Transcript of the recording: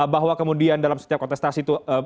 bahwa kemudian dalam setiap kontestasi itu